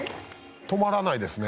止まらないですね。